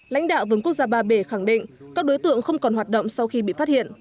lãnh đạo vườn quốc gia ba bể khẳng định các đối tượng không còn hoạt động sau khi bị phát hiện